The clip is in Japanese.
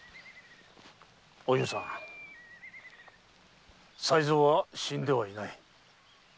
おゆうさん才蔵は死んではいない。